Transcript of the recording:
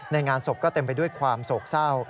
งานศพก็เต็มไปด้วยความโศกเศร้า